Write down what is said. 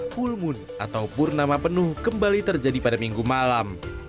full moon atau purnama penuh kembali terjadi pada minggu malam